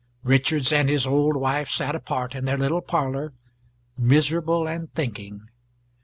Richards and his old wife sat apart in their little parlour miserable and thinking.